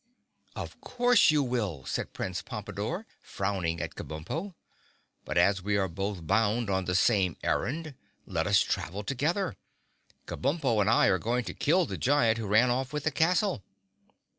"Of course you will," said Prince Pompadore, frowning at Kabumpo. "But as we are both bound on the same errand, let us travel together. Kabumpo and I are going to kill the giant who ran off with the castle."